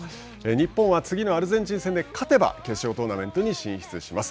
日本は次のアルゼンチン戦で勝てば、決勝トーナメントに進出します。